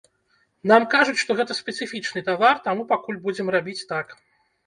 Нам кажуць, што гэта спецыфічны тавар, таму пакуль будзем рабіць так.